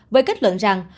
với kết luận rằng